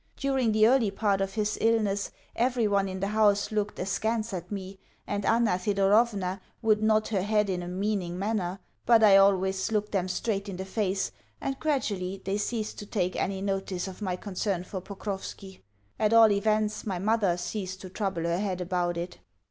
During the early part of his illness everyone in the house looked askance at me, and Anna Thedorovna would nod her head in a meaning manner; but, I always looked them straight in the face, and gradually they ceased to take any notice of my concern for Pokrovski. At all events my mother ceased to trouble her head about it.